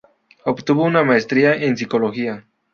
Obtuvo una Maestría en Psicología.